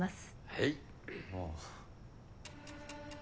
はい。